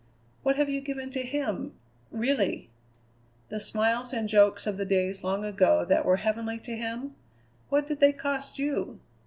What have you given to him really? The smiles and jokes of the days long ago that were heavenly to him what did they cost you?